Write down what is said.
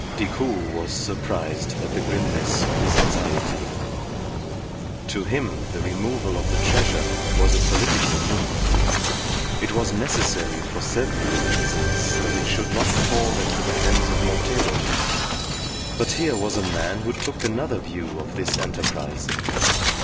Decoud was surprised at the grimness of his anxiety. To him the removal of the treasure was a political move. It was necessary for several reasons that it should not fall into the hands of Montero, but here was a man who took another view of this enterprise.